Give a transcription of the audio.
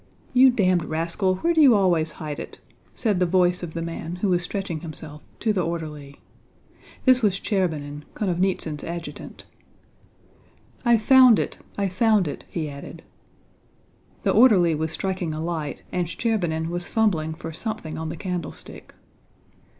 You damned rascal, where do you always hide it?" said the voice of the man who was stretching himself, to the orderly. (This was Shcherbínin, Konovnítsyn's adjutant.) "I've found it, I've found it!" he added. The orderly was striking a light and Shcherbínin was fumbling for something on the candlestick.